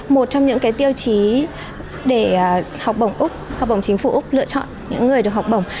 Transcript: một trong những cái tiêu chí để học bổng úc học bổng chính phủ úc lựa chọn những người được học bổng